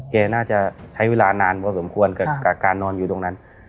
แกน่าจะใช้เวลานานพอสมควรกับการนอนอยู่ตรงนั้น